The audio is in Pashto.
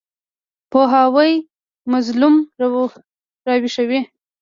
پوهاوی مظلوم راویښوي.